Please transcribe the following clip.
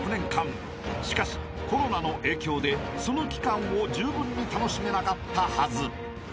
［しかしコロナの影響でその期間をじゅうぶんに楽しめなかったはず］